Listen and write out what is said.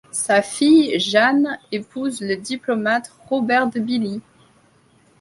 Sa fille Jeanne épouse le diplomate Robert de Billy.